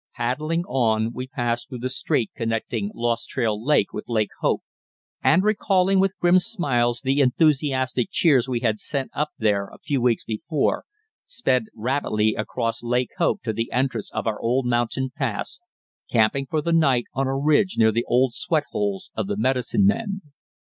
Paddling on, we passed through the strait connecting Lost Trail Lake with Lake Hope, and, recalling with grim smiles the enthusiastic cheers we had sent up there a few weeks before, sped rapidly across Lake Hope to the entrance of our old mountain pass, camping for the night on a ridge near the old sweat holes of the medicine men.